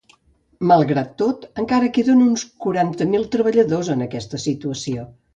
Malgrat tot, encara queden uns quaranta mil treballadors en aquesta situació.